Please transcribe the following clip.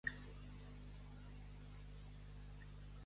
—A on vas Lluc? —A vendre el ruc.